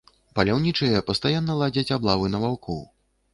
Паляўнічыя пастаянна ладзяць аблавы на ваўкоў.